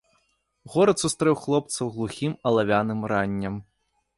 Горад сустрэў хлопцаў глухім алавяным раннем.